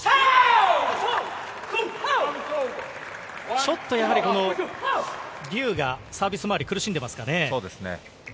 ちょっとリュウがサービスまわり苦しんでいますかね。